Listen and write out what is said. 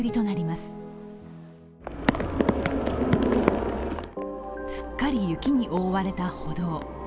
すっかり雪に覆われた歩道。